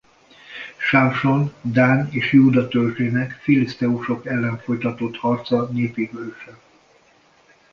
Sámson Dán és Júda törzsének a filiszteusok ellen folytatott harca népi hőse.